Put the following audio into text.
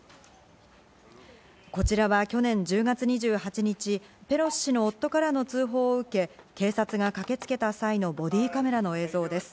こちらは去年１０月２８日、ペロシ氏の夫からの通報を受け、警察が駆けつけた際のボディカメラの映像です。